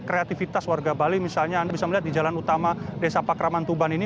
kreativitas warga bali misalnya anda bisa melihat di jalan utama desa pakraman tuban ini